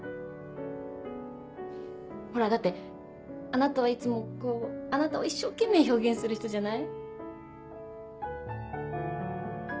ほらだってあなたはいつもこうあなたを一生懸命表現する人じゃない？